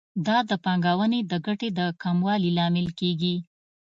دا د پانګونې د ګټې د کموالي لامل کیږي.